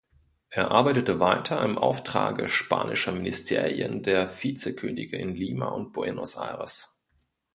Er arbeitete weiter im Auftrage spanischer Ministerien der Vizekönige in Lima und Buenos Aires.